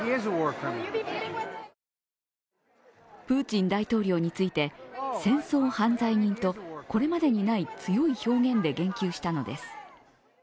プーチン大統領について、戦争犯罪人とこれまでにない強い表現で言及したのです。